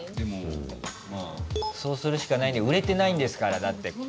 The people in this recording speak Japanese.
そうするしかない売れてないんですからだって。